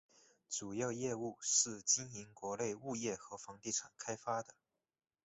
主要业务是经营国内物业和房地产开发的。